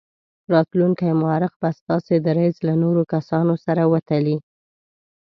راتلونکی مورخ به ستاسې دریځ له نورو کسانو سره وتلي.